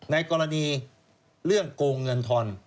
ในกรณีเรื่องโกงเงินทอน